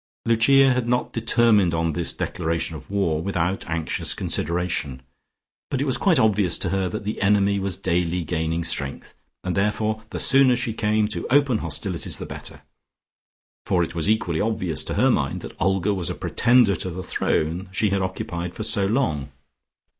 Lucia had not determined on this declaration of war without anxious consideration. But it was quite obvious to her that the enemy was daily gaining strength, and therefore the sooner she came to open hostilities the better, for it was equally obvious to her mind that Olga was a pretender to the throne she had occupied for so long.